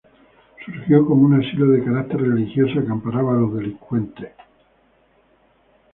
Surgió como un asilo de carácter religioso, que amparaba a los delincuentes.